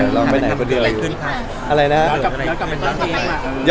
ลองไปไหนคนเดียวนึง